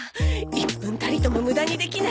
１分たりとも無駄にできない。